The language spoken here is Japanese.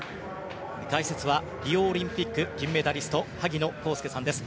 解説はリオオリンピック金メダリスト萩野公介さんです。